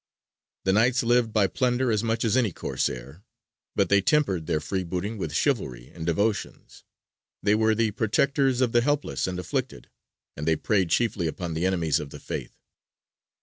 The Knights lived by plunder as much as any Corsair; but they tempered their freebooting with chivalry and devotions; they were the protectors of the helpless and afflicted, and they preyed chiefly upon the enemies of the Faith.